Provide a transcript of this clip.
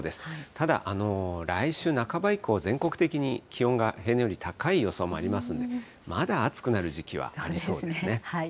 ただ、来週半ば以降、全国的に気温が平年より高い予想もありますんで、まだ暑くなる時期はありそうですね。